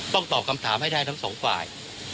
ตอบคำถามให้ได้ทั้งสองฝ่าย